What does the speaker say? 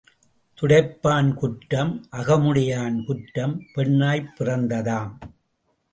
துடைப்பான் குற்றம், அகமுடையான் குற்றம் பெண்ணாய்ப் பிறந்ததாம்.